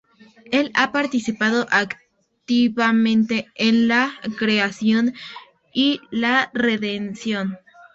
Él ha participado activamente en la creación y la redención.